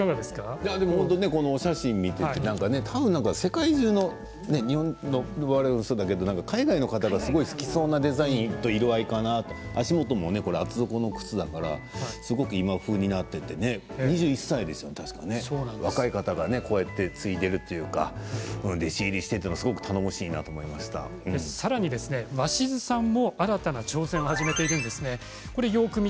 お写真を見ていて世界中の、我々もそうだけど海外の人が好きなデザインと色合いかなと、足元も厚底の靴だからすごく今風になっていって２１歳ですよね、確か若い方が継いでいるというか弟子入りしてというのはさらに鷲巣さんも新たに挑戦を始めているんですね。